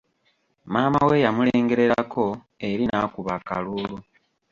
Maama we yamulengererako eri n'akuba akaluulu.